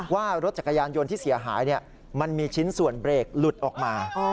ว่ารถจักรยานยนต์ที่เสียหายมันมีชิ้นส่วนเบรกหลุดออกมา